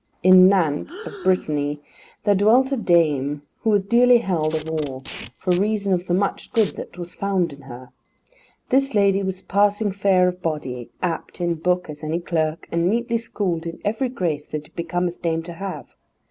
In Nantes, of Brittany, there dwelt a dame who was dearly held of all, for reason of the much good that was found in her. This lady was passing fair of body, apt in book as any clerk, and meetly schooled in every grace that it becometh dame to have.